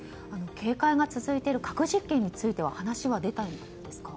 警戒が続いている核実験については話は出たんですか？